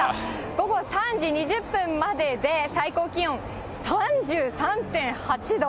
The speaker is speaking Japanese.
午後３時２０分までで、最高気温３３．８度。